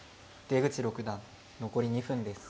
出口六段残り２分です。